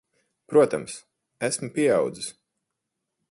Protams. Esmu pieaudzis.